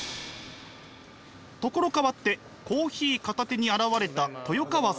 所変わってコーヒー片手に現れた豊川さん。